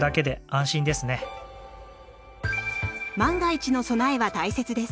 万が一の備えは大切です。